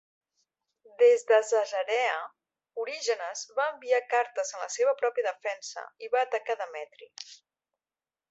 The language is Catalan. Des de Cesarea, Orígenes va enviar cartes en la seva pròpia defensa i va atacar Demetri.